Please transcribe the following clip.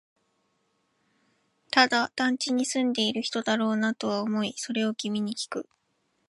ただ、団地に住んでいる人だろうなとは思い、それを君にきく